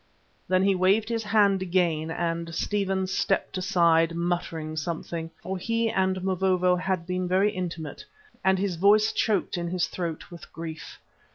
Then he waved his hand again, and Stephen stepped aside muttering something, for he and Mavovo had been very intimate and his voice choked in his throat with grief.